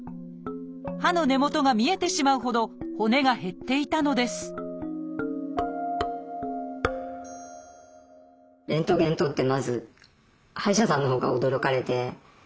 歯の根元が見えてしまうほど骨が減っていたのですレントゲン撮って